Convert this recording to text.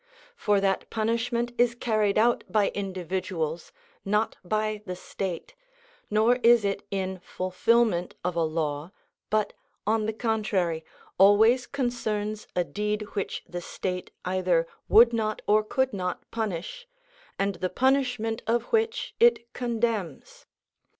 For that punishment is carried out by individuals, not by the state, nor is it in fulfilment of a law, but, on the contrary, always concerns a deed which the state either would not or could not punish, and the punishment of which it condemns.